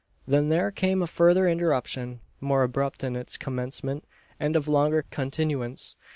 Then there came a further interruption; more abrupt in its commencement, and of longer continuance.